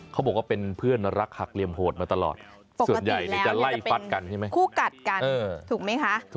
เขาบอกว่าเป็นเพื่อนรักหักเหลี่ยมโหดมาตลอดปกติจะไล่ฟัดกันทุกกันถูกไหมคะ